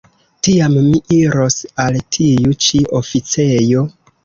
Tiam mi iros al tiu ĉi oficejo.